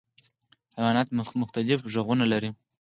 حیوانات مختلف غږونه لري.